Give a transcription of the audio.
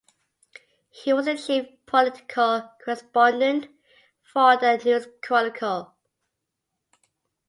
He was the chief political correspondent for the "News Chronicle".